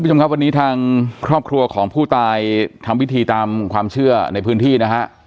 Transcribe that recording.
คุณผู้ชมครับวันนี้ทางครอบครัวของผู้ตายทำพิธีตามความเชื่อในพื้นที่นะฮะ